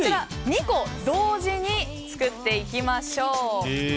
２個同時に作っていきましょう。